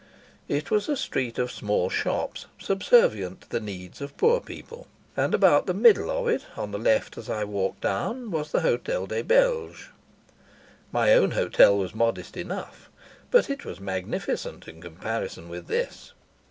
It was a street of small shops subservient to the needs of poor people, and about the middle of it, on the left as I walked down, was the Hotel des Belges. My own hotel was modest enough, but it was magnificent in comparison with this.